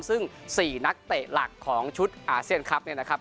ซึ่ง๔นักเตะหลักของชุดอาเซียนคลับ